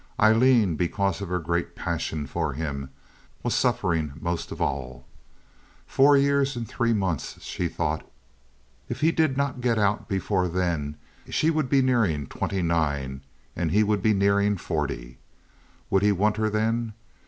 Aileen, because of her great passion for him, was suffering most of all. Four years and three months; she thought. If he did not get out before then she would be nearing twenty nine and he would be nearing forty. Would he want her then?